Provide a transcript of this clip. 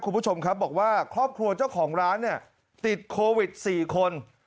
คุณผู้ชมครับบอกว่าครอบครัวเจ้าของร้านเนี่ยติดโควิด๔คน